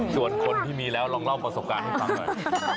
ส่วนคนที่มีแล้วลองเล่าประสบการณ์ให้ฟังหน่อย